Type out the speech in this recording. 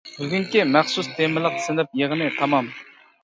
بۈگۈنكى مەخسۇس تېمىلىق سىنىپ يىغىنى تامام.